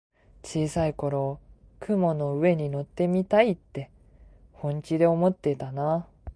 小さい頃、雲の上に乗ってみたいって本気で思ってたなあ。